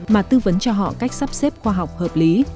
mà tư vấn cho họ cách sắp xếp khoa học hợp lý